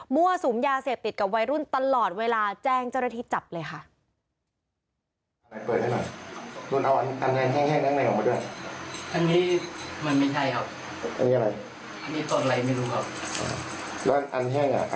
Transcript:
สุมยาเสพติดกับวัยรุ่นตลอดเวลาแจ้งเจ้าหน้าที่จับเลยค่ะ